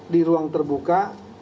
di ruang terbuka